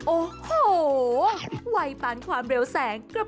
โอ้โหวัยปั้นความเร็วแสงก็ไปด้วย